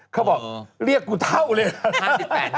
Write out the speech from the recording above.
เขาบอกเรียกกูเท่าเลย